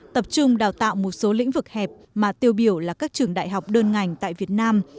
tập trung đào tạo một số lĩnh vực hẹp mà tiêu biểu là các trường đại học đơn ngành tại việt nam